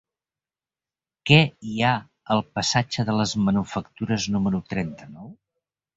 Què hi ha al passatge de les Manufactures número trenta-nou?